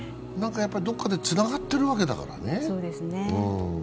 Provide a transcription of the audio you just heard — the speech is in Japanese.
どこかでつながってるわけだからね。